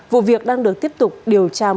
vụ việc đang được tiếp tục điều tra mở rộng